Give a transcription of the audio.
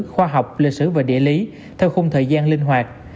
khoa học lịch sử và địa lý theo khung thời gian linh hoạt